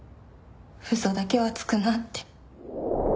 嘘だけはつくなって。